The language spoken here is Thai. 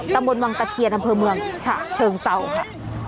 ตะมนต์วังตะเคียร์ดำเพิ่มเมืองฉะเชิงเศร้าค่ะ